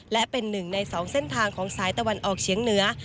และเป็นหนึ่งในสองเส้นทางของสายตะวันออกเฉียงเหนือ